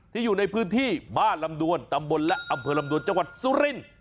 อยู่ในพื้นที่บ้านลำดวนตำบลและอำเภอลำดวนจังหวัดสุรินทร์